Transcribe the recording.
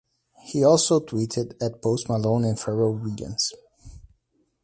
He also tweeted at Post Malone and Pharrell Williams.